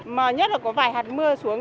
mà nhất là có vài hạt mưa xuống